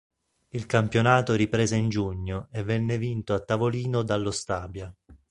Il campionato riprese in giugno e venne vinto a tavolino dallo Stabia.